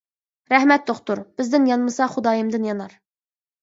-رەھمەت دوختۇر، بىزدىن يانمىسا خۇدايىمدىن يانار.